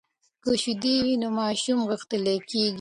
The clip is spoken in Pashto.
که شیدې وي نو ماشوم غښتلۍ کیږي.